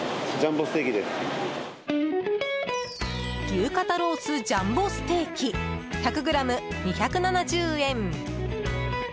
牛肩ロースジャンボステーキ１００ｇ２７０円。